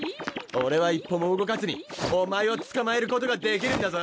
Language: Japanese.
オレは一歩も動かずにオマエを捕まえる事ができるんだぞ。